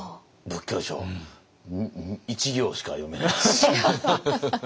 仏教書１行しか読めないです。